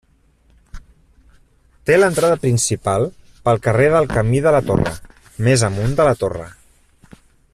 Té l'entrada principal pel carrer del Camí de la Torre, més amunt de la Torre.